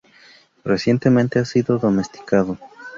Recientemente ha sido domesticado.